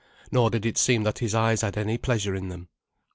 Nor did it seem that his eyes had any pleasure in them.